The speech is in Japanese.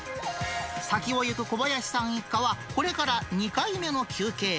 先を行く小林さん一家は、これから２回目の休憩。